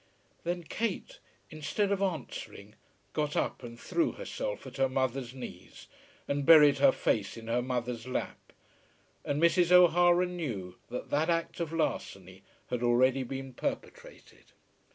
Then Kate, instead of answering, got up and threw herself at her mother's knees, and buried her face in her mother's lap, and Mrs. O'Hara knew that that act of larceny had already been perpetrated.